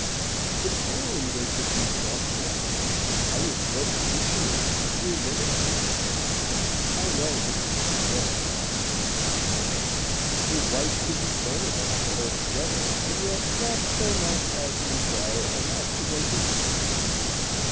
If only they could be soft boiled. I would so appreciate a three minute one. (I know it would sit better on the stomach.) The white could be firm enough to hold together, and yet not so much so as to require a knife to break into it.